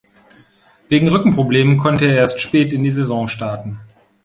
Wegen Rückenproblemen konnte er erst spät in die Saison starten.